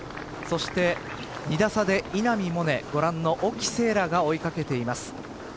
そして２打差で稲見萌寧ご覧の沖せいらが追い掛けています。